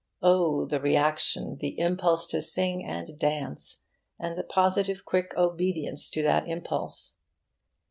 Oh, the reaction, the impulse to sing and dance, and the positive quick obedience to that impulse!